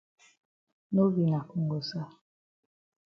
No be na kongosa.